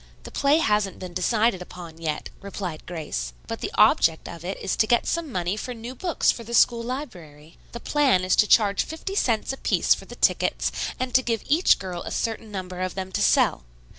"The play hasn't been decided upon yet," replied Grace, "but the object of it is to get some money for new books for the school library. The plan is to charge fifty cents a piece for the tickets and to give each girl a certain number of them to sell.